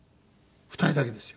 ２人だけですよ。